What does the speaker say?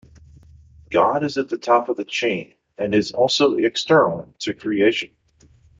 God is at the top of the chain and is also external to creation.